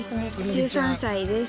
１３歳です。